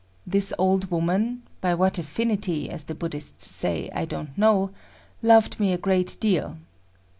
This old woman,—by what affinity, as the Buddhists say, I don't know,—loved me a great deal.